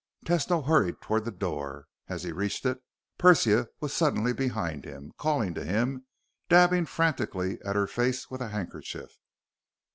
Tesno hurried toward the door. As he reached it, Persia was suddenly behind him, calling to him, dabbing frantically at her face with a handkerchief.